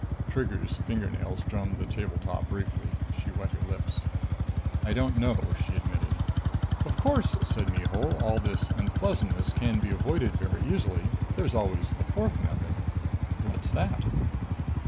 Trigger's fingernails drummed the table top briefly. She wet her lips. "I don't know," she admitted. "Of course," said Mihul, "all this unpleasantness can be avoided very easily. There's always the fourth method." "What's that?"